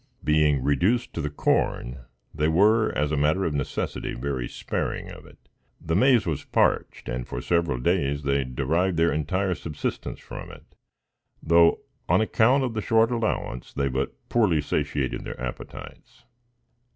Being reduced to the corn, they were, as a matter of necessity, very sparing of it. The maize was parched, and for several days they derived their entire subsistence from it; though, on account of the short allowance, they but poorly satiated their appetites.